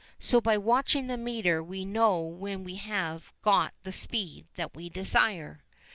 So by watching the meter we know when we have got the speed that we desire.